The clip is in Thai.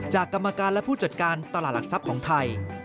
กรรมการและผู้จัดการตลาดหลักทรัพย์ของไทย